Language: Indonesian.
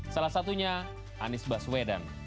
salah satunya anies baswedan